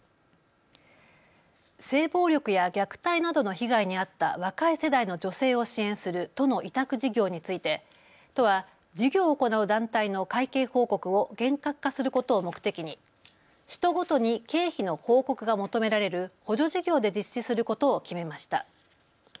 性暴力や虐待などの被害に遭った若い世代の女性を支援する都の委託事業について都は事業を行う団体の会計報告を厳格化することを目的に使途ごとに経費の報告が求められる補助事業で実施することを決めました。